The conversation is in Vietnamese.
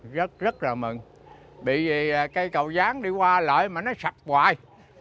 rất rất là mừng bị cây cầu dán đi qua lại mà nó sập hoài